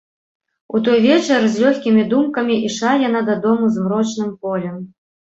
У той вечар з лёгкімі думкамі ішла яна дадому змрочным полем.